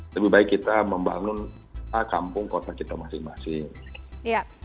lebih baik kita membangun kampung kota kita masing masing